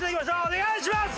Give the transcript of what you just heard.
お願いします！